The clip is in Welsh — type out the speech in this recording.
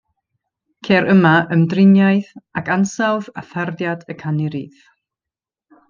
Ceir yma ymdriniaeth ag ansawdd a tharddiad y canu rhydd.